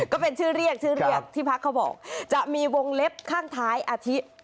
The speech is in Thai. ก็เป็นชื่อเรียกที่พักเขาบอกจะมีวงเล็บข้างท้ายอาทิตย์